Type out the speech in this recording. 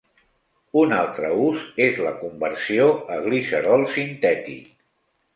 Un altre ús és la conversió a glicerol sintètic.